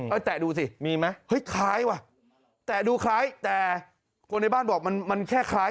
เอาแตะดูสิมีไหมเฮ้ยคล้ายว่ะแตะดูคล้ายแต่คนในบ้านบอกมันมันแค่คล้าย